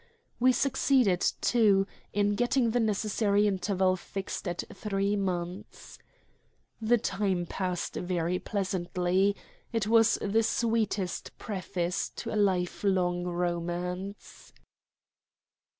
We succeeded, too, in getting the necessary interval fixed at three months. The time passed very pleasantly. It was the sweet preface to a life long romance.